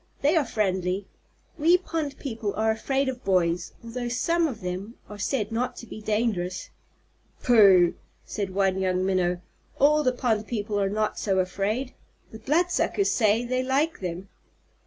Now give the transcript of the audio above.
They are friendly. We pond people are afraid of boys, although some of them are said not to be dangerous." "Pooh!" said one young Minnow. "All the pond people are not so afraid! The Bloodsuckers say they like them."